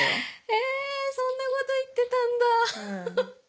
えそんなこと言ってたんだハハハ！